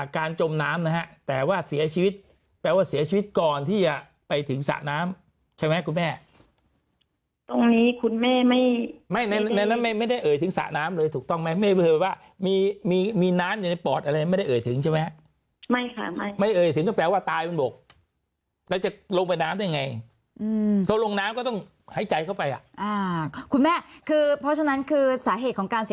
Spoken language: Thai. จมน้ำนะฮะแต่ว่าเสียชีวิตแปลว่าเสียชีวิตก่อนที่จะไปถึงสระน้ำใช่ไหมคุณแม่ตรงนี้คุณแม่ไม่ไม่ในในนั้นไม่ไม่ได้เอ่ยถึงสระน้ำเลยถูกต้องไหมไม่เผยว่ามีมีน้ำอยู่ในปอดอะไรไม่ได้เอ่ยถึงใช่ไหมฮะไม่ค่ะไม่ไม่เอ่ยถึงก็แปลว่าตายบนบกแล้วจะลงไปน้ำได้ไงเขาลงน้ำก็ต้องหายใจเข้าไปอ่ะอ่าคุณแม่คือเพราะฉะนั้นคือสาเหตุของการเสีย